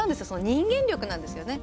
人間力なんですよね。